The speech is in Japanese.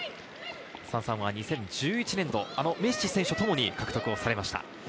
澤さんは２０１１年、メッシ選手とともに獲得されました。